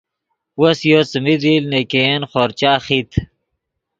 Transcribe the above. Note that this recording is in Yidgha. وس یو څیمین دیل نے ګین خورچہ خیت